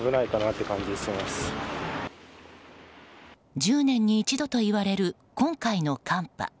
１０年に一度といわれる今回の寒波。